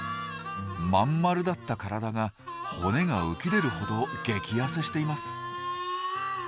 まんまるだった体が骨が浮き出るほど激ヤセしています。